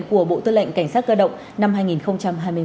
của bộ tư lệnh cảnh sát cơ động năm hai nghìn hai mươi một